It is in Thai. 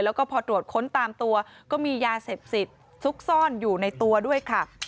แล้วก็พอตรวจค้นตามตัวก็มียาเสพติดซุกซ่อนอยู่ในตัวด้วยค่ะ